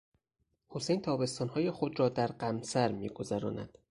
حسین تابستان های خود را در قمصر میگذراند.